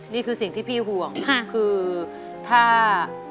นี่คือสิ่งที่พี่ห่วงคือถ้า